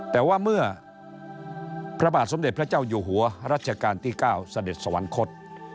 แต่ว่าเมื่อพระบาทสมเด็จพระเจ้าอยู่หัวรัชกาลที่๙เสด็จสวรรคต